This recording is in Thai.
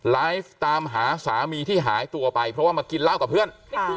ไลฟ์ตามหาสามีที่หายตัวไปเพราะว่ามากินเหล้ากับเพื่อน